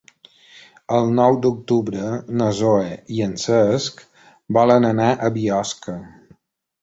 El nou d'octubre na Zoè i en Cesc volen anar a Biosca.